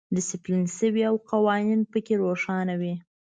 ډیسپلین شوی او قوانین پکې روښانه وي.